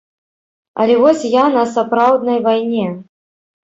Але вось я на сапраўднай вайне.